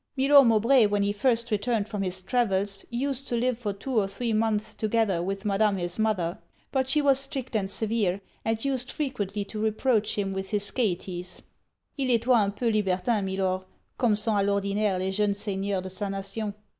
Milor Mowbray, when he first returned from his travels, used to live for two or three months together with Madame his mother; but she was strict and severe, and used frequently to reproach him with his gaieties il etoit un peu libertin Milor, comme sont a l'ordinaire les jeunes seigneurs de sa nation.